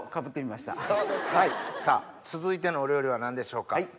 さぁ続いてのお料理は何でしょうか？